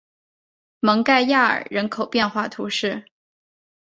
蒙盖亚尔人口变化图示